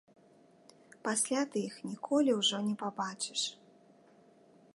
Пасля ты іх ніколі ўжо не пабачыш.